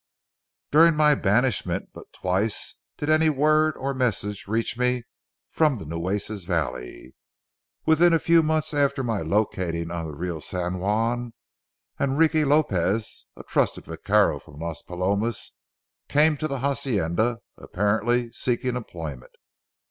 During my banishment, but twice did any word or message reach me from the Nueces valley. Within a few months after my locating on the Rio San Juan, Enrique Lopez, a trusted vaquero from Las Palomas, came to the hacienda, apparently seeking employment.